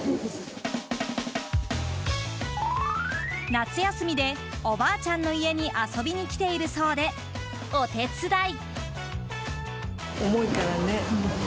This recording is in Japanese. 夏休みでおばあちゃんの家に遊びに来ているそうで、お手伝い。